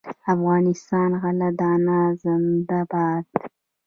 د افغانستان غله دانه زنده باد.